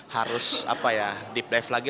harus apa ya deep live lagi